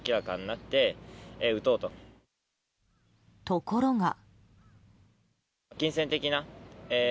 ところが。